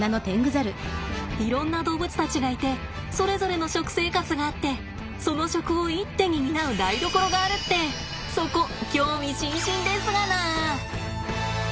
いろんな動物たちがいてそれぞれの食生活があってその食を一手に担う台所があるってそこ興味津々ですがな！